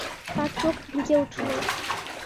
তার চোখ ভিজে উঠল।